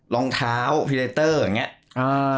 รองเท้าพรีเลเตอร์อย่างนี้